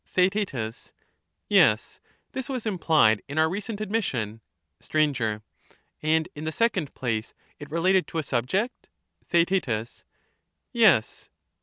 Theaet. Yes, this was implied in our recent admission. Str. And, in the second place, it related to a subject ? Theaet. Yes.